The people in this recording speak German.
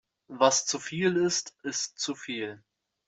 Was zu viel ist, ist zu viel.